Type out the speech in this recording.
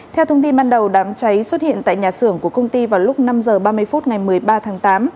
theo thông tin ban đầu đám cháy xuất hiện tại nhà xưởng của công ty vào lúc năm h ba mươi phút ngày một mươi ba tháng tám